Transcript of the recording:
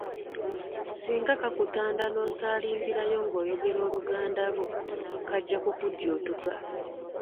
Singa kakutanda n’osaalimbirayo ng’oyogera Oluganda lwo kajja kukujjuutuka.